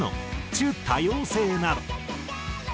『ちゅ、多様性。』など。